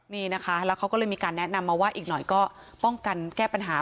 นี่นะคะแล้วเขาก็เลยมีการแนะนำมาว่าอีกหน่อยก็ป้องกันแก้ปัญหา